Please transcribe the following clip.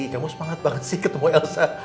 kamu semangat banget sih ketemu elsa